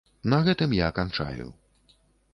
На гэтым я канчаю.